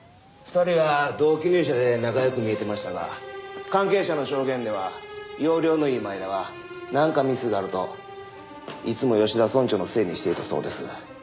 ２人は同期入社で仲良く見えてましたが関係者の証言では要領のいい前田はなんかミスがあるといつも吉田村長のせいにしていたそうです。